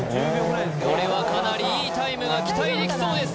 これはかなりいいタイムが期待できそうです